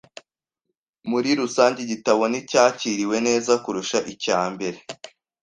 muri rusange igitabo nticyakiriwe neza kurusha icya mbere